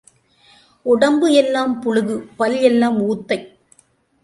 உடம்பு எல்லாம் புளுகு பல் எல்லாம் ஊத்தை.